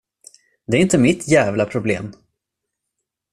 Det är inte mitt jävla problem.